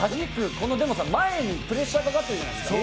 このでもさ前にプレッシャーかかってるじゃないですか。